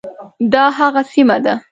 دا هغه سیمه ده.